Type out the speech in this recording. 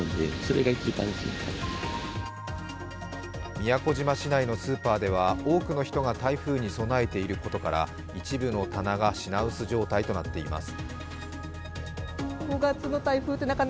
宮古島市内のスーパーでは多くの人が台風に備えていることから一部の棚が品薄状態となっています。